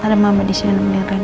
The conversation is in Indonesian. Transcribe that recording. ada mama disini yang menemani rene